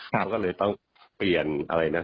เขาก็เลยต้องเปลี่ยนอะไรนะ